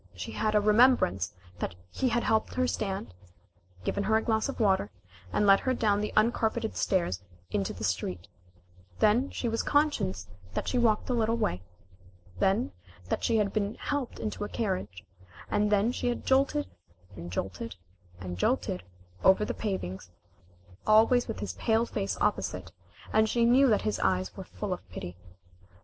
She had a remembrance that he had helped her stand given her a glass of water and led her down the uncarpeted stairs out into the street. Then she was conscious that she walked a little way. Then that she had been helped into a carriage, and then she had jolted and jolted and jolted over the pavings, always with his pale face opposite, and she knew that his eyes were full of pity.